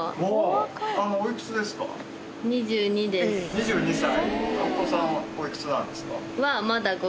２２歳。